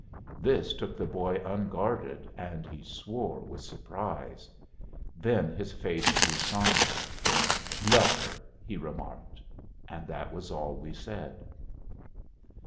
This took the boy unguarded, and he swore with surprise. Then his face grew sombre. "Let her," he remarked; and that was all we said.